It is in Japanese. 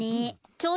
ちょう